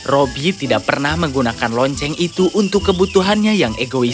robby tidak pernah menggunakan lonceng itu untuk kebutuhannya yang egois